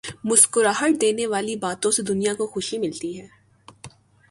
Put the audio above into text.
مسکراہٹ دینے والی باتوں سے دنیا کو خوشی ملتی ہے۔